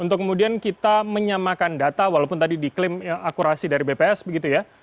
untuk kemudian kita menyamakan data walaupun tadi diklaim akurasi dari bps begitu ya